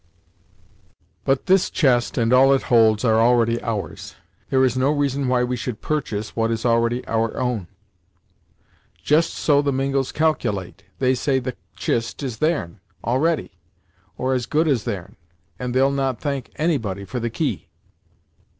"But this chest and all it holds, are already ours; there is no reason why we should purchase what is already our own." "Just so the Mingos caculate! They say the chist is theirn, already; or, as good as theirn, and they'll not thank anybody for the key."